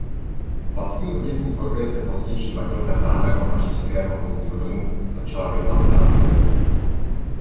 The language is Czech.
Vlastní oděvní tvorbě se pozdější majitelka známého pařížského módního domu začala věnovat náhodou.